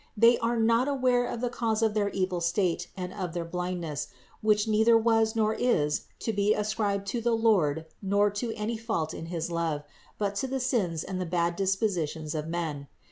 They are not aware of the cause of their evil state and of their blindness, which neither was nor is to be ascribed to the Lord nor to any fault in his love, but to the sins and the bad dispositions of men.